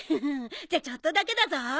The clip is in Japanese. じゃちょっとだけだぞ。